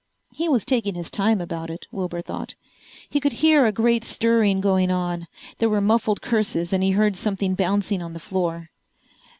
He was taking his time about it, Wilbur thought. He could hear a great stirring going on. There were muffled curses and he heard something bouncing on the floor.